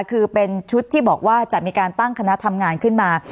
คือเป็นชุดที่บอกว่าจะมีการตั้งคณะทำงานขึ้นมา